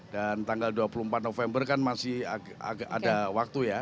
dan tanggal dua puluh empat november kan masih ada waktu ya